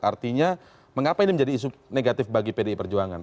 artinya mengapa ini menjadi isu negatif bagi pdi perjuangan